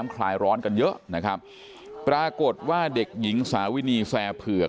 คลายร้อนกันเยอะนะครับปรากฏว่าเด็กหญิงสาวินีแซ่เผือก